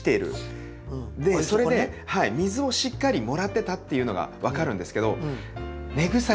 でそれね水をしっかりもらってたっていうのが分かるんですけど。